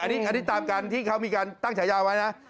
อันนี้ตามกันที่เขามีการตั้งฉายาไว้นะ